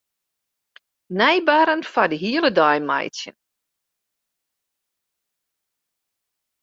Nij barren foar de hiele dei meitsje.